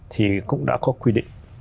thì cũng đã có quy định